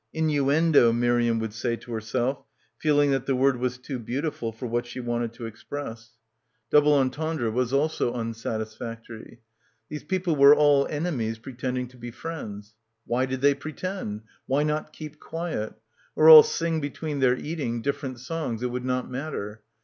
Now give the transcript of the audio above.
... Innuendo, Miriam would say to herself, feeling that the word was too beautiful for what she wanted to express; — 242 — BACKWATER double entendre was also unsatisfactory. These people were all enemies pretending to be friends. Why did they pretend? Why not keep quiet? Or all sing between their eating, different songs, it would not matter.